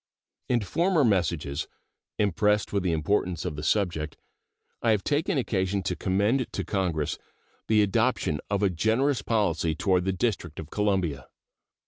In former messages, impressed with the importance of the subject, I have taken occasion to commend to Congress the adoption of a generous policy toward the District of Columbia.